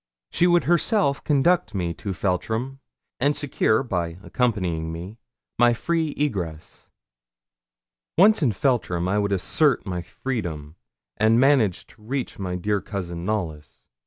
She would herself conduct me to Feltram, and secure, by accompanying me, my free egress. Once in Feltram, I would assert my freedom, and manage to reach my dear cousin Knollys.